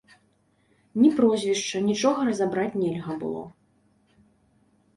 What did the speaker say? Ні прозвішча, нічога разабраць нельга было.